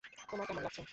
তোমার কেমন লাগছে?